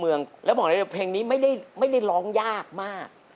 เพราะเพลงนี้ไม่ได้ร้องยากมาก